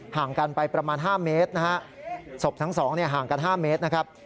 ห่างกันไปประมาณ๕เมตรนะฮะศพทั้งสองห่างกัน๕เมตรนะครับ